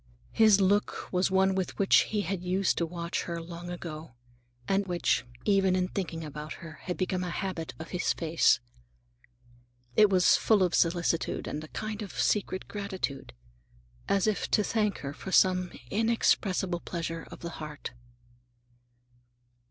His look was one with which he used to watch her long ago, and which, even in thinking about her, had become a habit of his face. It was full of solicitude, and a kind of secret gratitude, as if to thank her for some inexpressible pleasure of the heart.